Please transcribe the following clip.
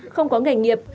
không có nghề nghiệp